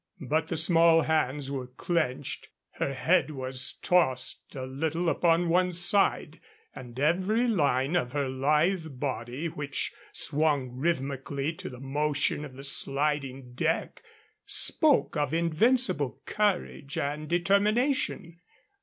But the small hands were clenched, her head was tossed a little upon one side, and every line of her lithe body, which swung rhythmically to the motion of the sliding deck, spoke of invincible courage and determination.